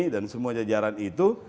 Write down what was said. dan semua jajaran itu